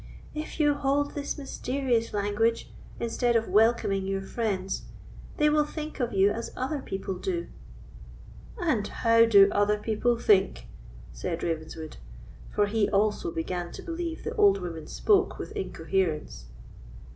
If you hold this mysterious language, instead of welcoming your friends, they will think of you as other people do." "And how do other people think?" said Ravenswood, for he also began to believe the old woman spoke with incoherence.